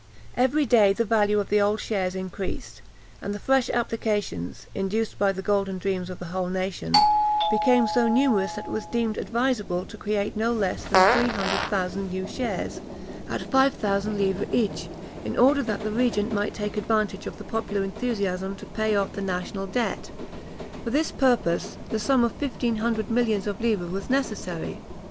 Every day the value of the old shares increased, and the fresh applications, induced by the golden dreams of the whole nation, became so numerous that it was deemed advisable to create no less than three hundred thousand new shares, at five thousand livres each, in order that the regent might take advantage of the popular enthusiasm to pay off the national debt. For this purpose, the sum of fifteen hundred millions of livres was necessary.